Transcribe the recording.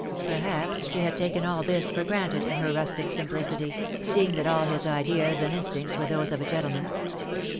Per haps she had taken all this for granted, in her rustic simplicity, seeing that all his ideas and instincts were those of a gentleman.